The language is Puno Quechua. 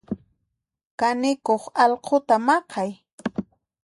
Kanikuq alquta maqay.